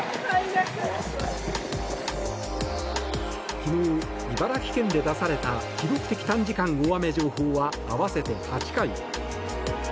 昨日、茨城県で出された記録的短時間大雨情報は合わせて８回。